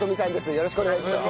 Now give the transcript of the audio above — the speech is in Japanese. よろしくお願いします。